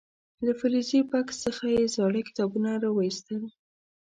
له فلزي بکس څخه یې زاړه کتابونه راو ویستل.